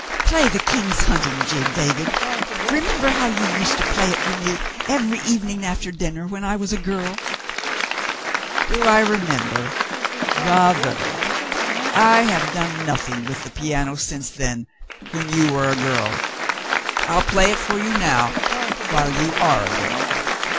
Play the ' King's Hunting Jig,' David. Remember how you used to play it for me every evening after dinner, when I was a girl ?" *'Do I remember ? Rather ! I have done nothing with the piano since then — when you were a girl. I'll play it for you now, while you are a girl."